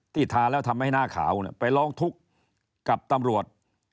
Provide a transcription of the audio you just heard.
ทาแล้วทำให้หน้าขาวไปร้องทุกข์กับตำรวจ